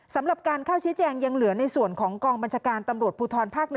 สำหรับการเข้าชี้แจงยังเหลือในส่วนของกองบัญชาการตำรวจภูทรภาค๑